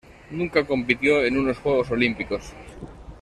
Nunca compitió en unos Juegos Olímpicos.